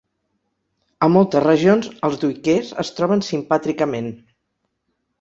A moltes regions, els duiquers es troben simpàtricament.